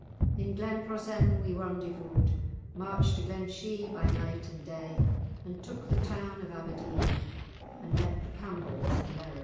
In Glen Prosen[#] we rendezvous'd, March'd to Glenshie by night and day. And took the town of Aberdeen, And met the Campbells in their array.